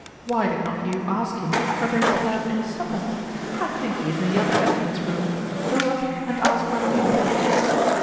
Why did not you ask him whether he'd have any supper? I think he is in the other gentleman's room; go up and ask whether he called.